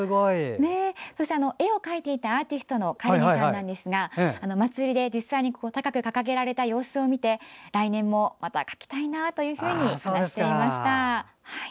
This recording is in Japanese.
そして絵を描いていたアーティストのカリネさんですが祭りで実際に高く掲げられた様子を見て来年も描きたいと話していました。